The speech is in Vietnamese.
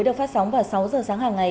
được phát sóng vào sáu h sáng hàng ngày